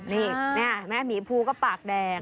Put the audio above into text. นี่มีภูก็ปากแดง